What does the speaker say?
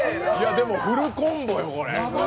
でもフルコンボよ、これ。